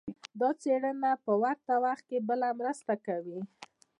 دا څېړنه په ورته وخت کې بله مرسته کوي.